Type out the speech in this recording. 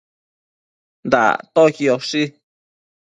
Dactoquioshi